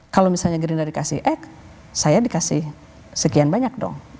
kalau misalnya gerindra dikasih eg saya dikasih sekian banyak dong